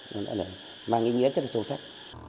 nó đã mang ý nghĩa rất là sâu sắc